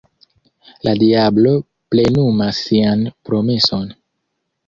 La diablo plenumas sian promeson.